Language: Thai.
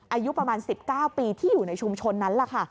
อายุประมาณ๑๙ปีที่อยู่ในชุมชนนั้นแหละค่ะ